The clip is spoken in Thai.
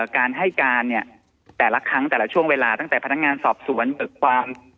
การให้การเนี่ยแต่ละครั้งแต่ละช่วงเวลาตั้งแต่พนักงานสอบสวนเบิกความ